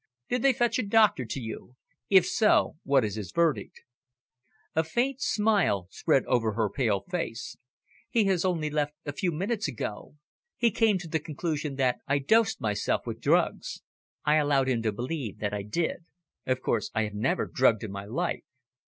Did they fetch a doctor to you? If so, what is his verdict?" A faint smile spread over her pale face. "He has only left a few minutes ago. He came to the conclusion that I dosed myself with drugs. I allowed him to believe that I did. Of course, I have never drugged in my life."